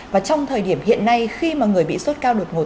và trong thời điểm hiện nay khi mà người bị sốt cao đột ngột